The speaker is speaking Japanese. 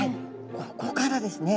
ここからですね